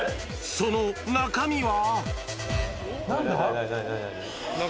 その中身は。